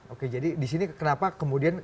oke jadi disini kenapa kemudian